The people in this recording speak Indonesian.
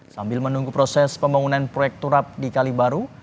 sambil menunggu proses pembangunan proyek turap di kalibaru